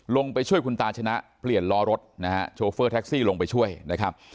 ลงไปช่วยคุณตาชนะเปลี่ยนล้อรถนะฮะโชเฟอร์แท็กซี่ลงไปช่วยนะครับ